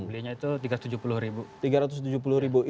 belinya itu rp tiga ratus tujuh puluh